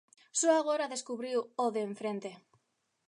Só agora descubriu o de enfrente.